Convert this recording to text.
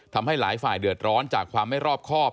ทำให้หลายฝ่ายเดือดร้อนจากความไม่รอบครอบ